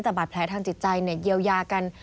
แต่บาดแพล้ทางจิตใจเนี่ยเยียวยากัน